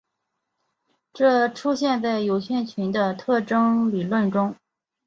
这出现在有限群的特征理论中。